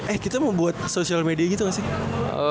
eh kita mau buat social media gitu ga sih